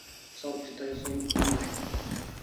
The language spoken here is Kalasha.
Emi saw thi Tay som en day